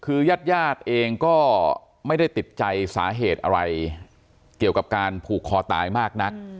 คือญาติญาติเองก็ไม่ได้ติดใจสาเหตุอะไรเกี่ยวกับการผูกคอตายมากนัก